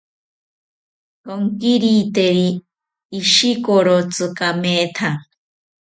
Tsonkiriteri ishikorotsi kametha